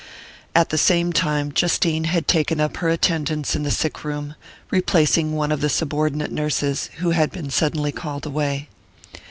At the same time Justine had taken up her attendance in the sick room, replacing one of the subordinate nurses who had been suddenly called away.